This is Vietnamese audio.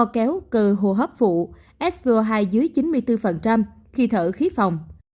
kéo cơ hô hấp phụ expo hai dưới chín mươi bốn khi thở khí phòng